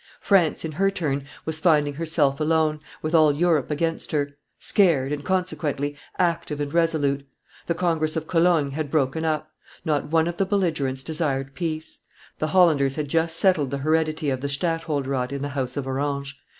France, in her turn, was finding herself alone, with all Europe against her; scared, and, consequently, active and resolute; the congress of Cologne had broken up; not one of the belligerents desired peace; the Hollanders had just settled the heredity of the stadtholderate in the house of Orange.